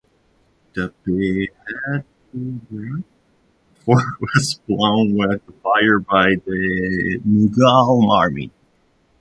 The Bahadurgarh fort was blown with fire by the Mughal army.